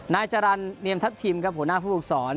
นายจรรย์เนียมทัพทิมครับหัวหน้าผู้ฝึกสอน